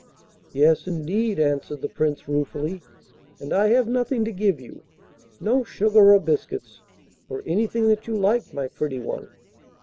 'Yes, indeed,' answered the Prince ruefully, 'and I have nothing to give you, no sugar or biscuits, or anything that you like, my pretty one.